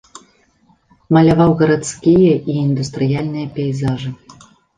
Маляваў гарадскія і індустрыяльныя пейзажы.